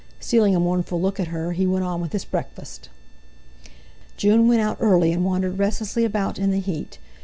Stealing a mournful look at her, he went on with his breakfast. June went out early, and wandered restlessly about in the heat.